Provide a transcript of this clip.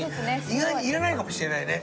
意外にいらないかもしれないね。